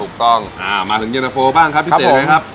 ถูกต้องมาถึงเย็นตะโฟบ้างครับพิเศษไงครับ